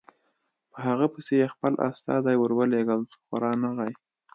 په هغه پسې یې خپل استازي ورولېږل خو رانغی.